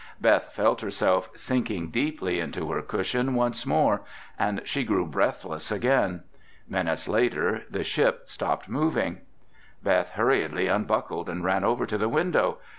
Beth felt herself sinking deeply into her cushion once more and she grew breathless again. Minutes later, the ship stopped moving. Beth hurriedly unbuckled and ran over to the window.